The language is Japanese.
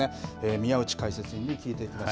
宮内解説委員に聞いていきます。